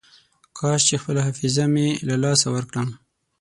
کاش چې خپله حافظه مې له لاسه ورکړم.